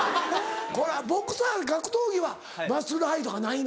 これはボクサー格闘技はマッスルハイとかないの？